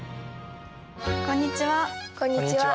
こんにちは。